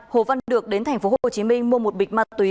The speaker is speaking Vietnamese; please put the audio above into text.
hồ văn được đến tp hcm mua một bịch ma túy